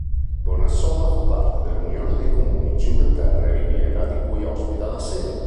Bonassola fa parte dell'Unione dei comuni Cinque Terre-Riviera, di cui ospita la sede.